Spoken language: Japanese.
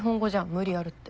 無理あるって。